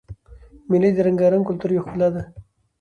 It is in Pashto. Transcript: مېلې د رنګارنګ کلتور یوه ښکلا ده.